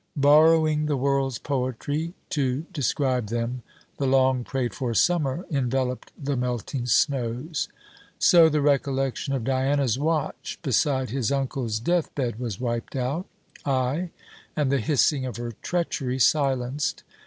Borrowing the world's poetry to describe them, the long prayed for Summer enveloped the melting snows. So the recollection of Diana's watch beside his uncle's death bed was wiped out. Ay, and the hissing of her treachery silenced.